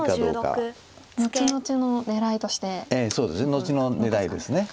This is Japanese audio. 後の狙いです。